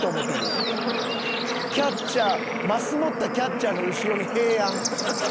キャッチャーマス持ったキャッチャーの後ろに平安。